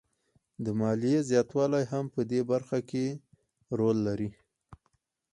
د ماليې زیاتوالی هم په دې برخه کې رول لري